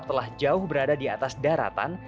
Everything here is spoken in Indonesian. telah jauh berada di atas daratan